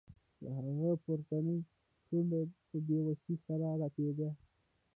د هغه پورتنۍ شونډه په بې وسۍ سره رپیده